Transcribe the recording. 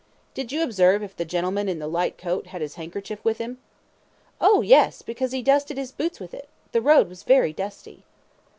Q. Did you observe if the gentleman in the light coat had his handkerchief with him? A. Oh, yes; because he dusted his boots with it. The road was very dusty.